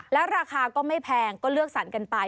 แล้วราคาก็ไม่แพงก็เลือกสรรกันไป